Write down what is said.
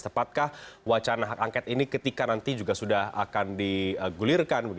tepatkah wacana hak angket ini ketika nanti juga sudah akan digulirkan